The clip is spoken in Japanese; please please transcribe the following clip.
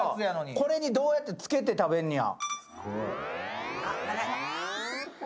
これにどうやってつけて食べんねや。